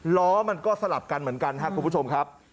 ล้อมันก็สลับกันเหมือนกันครับคุณผู้ชมครับ